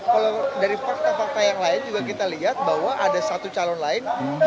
kalau dari fakta fakta yang lain juga kita lihat bahwa ada satu calon lain